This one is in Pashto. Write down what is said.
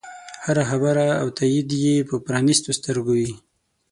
هره خبره او تایید یې په پرانیستو سترګو وي.